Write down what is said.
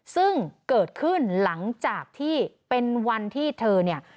ซึ่งเกิดขึ้นหลังจากที่เป็นวันที่เธอเนี่ย